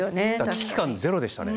危機感ゼロでしたね。